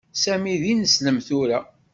Sami d ineslem tura.